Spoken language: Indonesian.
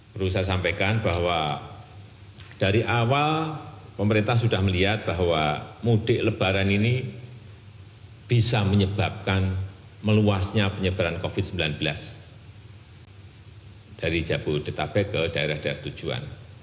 perlu saya sampaikan bahwa dari awal pemerintah sudah melihat bahwa mudik lebaran ini bisa menyebabkan meluasnya penyebaran covid sembilan belas dari jabodetabek ke daerah daerah tujuan